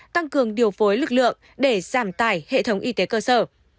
tăng cường điều phối lực lượng để giảm tải hệ thống y tế cơ sở